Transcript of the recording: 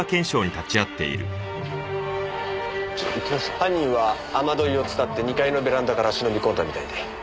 犯人は雨樋をつたって２階のベランダから忍び込んだみたいで。